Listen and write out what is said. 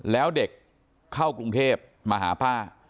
แล้วเด็กเข้ากรุงเทพมาหาป้า